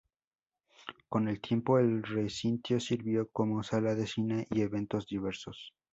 Con el tiempo el recinto sirvió como sala de cine y eventos diversos.